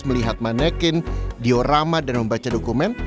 melihat manekin diorama dan membaca dokumen